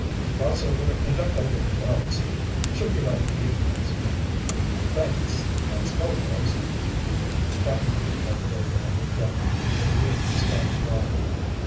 Cross over and duck under the belts. He should be right abeam of us." "Thanks. Let's go, boys." Cap'n Mike led the way down the gangplank with Rick and Scotty following.